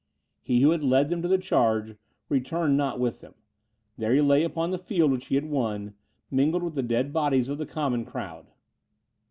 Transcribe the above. He, who had led them to the charge, returned not with them; there he lay upon the field which he had won, mingled with the dead bodies of the common crowd.